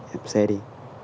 em xe đi